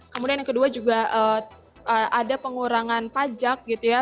kemudian yang kedua juga ada pengurangan pajak gitu ya